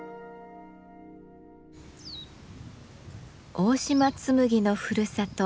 大島紬のふるさと